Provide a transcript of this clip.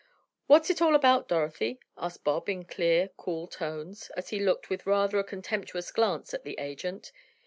"What's it all about, Dorothy?" asked Bob in clear, cool tones, as he looked with rather a contemptuous glance at the agent.